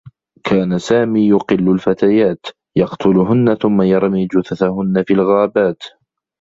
كان سامي يقلّ الفتيات، يقتلهنّ ثمّ يرمي جثثهنّ في الغابات.